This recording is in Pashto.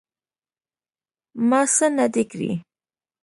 _ما څه نه دي کړي.